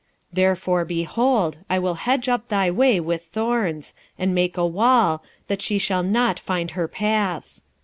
2:6 Therefore, behold, I will hedge up thy way with thorns, and make a wall, that she shall not find her paths.